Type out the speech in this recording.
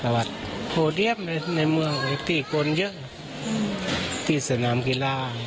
วัดโพเดียมในเมืองที่คนเยอะที่สนามกีฬา